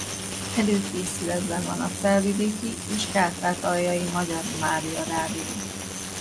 Előkészületben van a Felvidéki és Kárpátaljai magyar Mária Rádió.